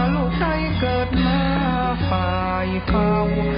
ภูเจ้าให้รักเข้าล้วนภาพภูมิใจ